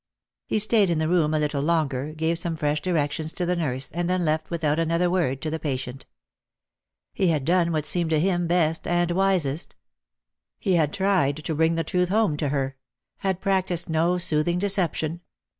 He stayed in the room a little longer, gave some fresh direc tions to the nurse, and then left without another word to the patient. He had done what seemed to him best and wisest. He had 238 Lost for Love. tried to bring the truth home to her ; had practised no soothing deception.